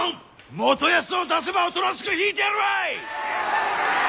元康を出せばおとなしく引いてやるわい！